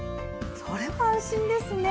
それは安心ですね。